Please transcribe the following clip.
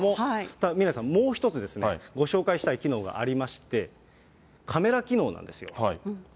ただ宮根さん、もう一つご紹介したい機能がありまして、カメラ機能なんですよ。